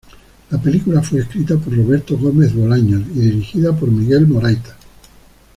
La película fue escrita por Roberto Gómez Bolaños y dirigida por Miguel Morayta.